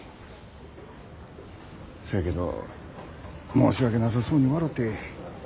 そやけど申し訳なさそうに笑て。